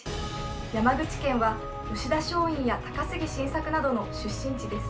山口県は吉田松陰や高杉晋作などの出身地です。